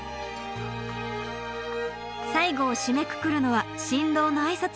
最後を締めくくるのは新郎の挨拶。